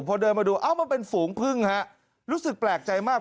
เพราะเดินมาดูมันเป็นฝูงพึ่งครับรู้สึกแปลกใจมาก